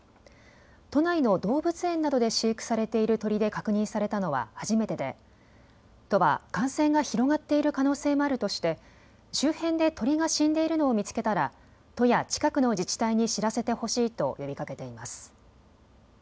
都内の動物園などで飼育されている鳥で確認されたのは初めてで都は感染が広がっている可能性もあるとして周辺で鳥が死んでいるのを見つけたら都や近くの自治体に知らせてほしいと呼びかけています。